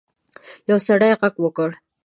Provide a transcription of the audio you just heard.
یو سړي غږ وکړ.